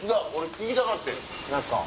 聞きたかってん。